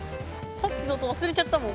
さっきの音忘れちゃったもん。